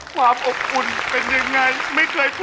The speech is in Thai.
ความอบอุ่นเป็นยังไงไม่เคยพูด